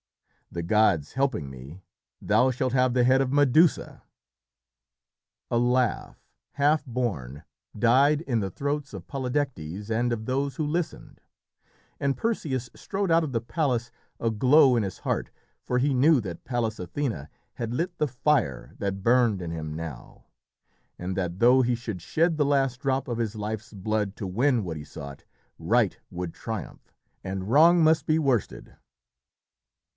The gods helping me, thou shalt have the head of Medusa." A laugh, half born, died in the throats of Polydectes and of those who listened, and Perseus strode out of the palace, a glow in his heart, for he knew that Pallas Athené had lit the fire that burned in him now, and that though he should shed the last drop of his life's blood to win what he sought, right would triumph, and wrong must be worsted.